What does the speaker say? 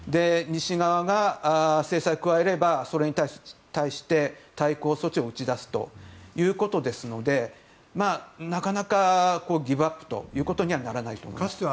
西側が制裁を加えればそれに対して、対抗措置を打ち出すということですのでなかなかギブアップということにならないと思います。